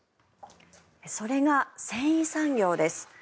それが繊維産業です。